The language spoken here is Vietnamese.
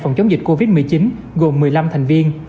phòng chống dịch covid một mươi chín gồm một mươi năm thành viên